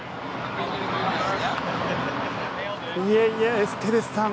いえいえ、エステベスさん